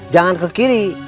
jangan ke kiri